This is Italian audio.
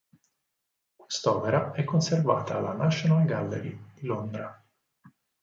Quest'opera è conservata alla National Gallery di Londra.